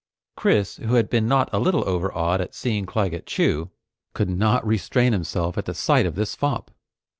Chris, who had been not a little overawed at seeing Claggett Chew, could not restrain himself at the sight of this fop.